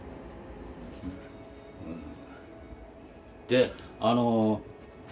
であの。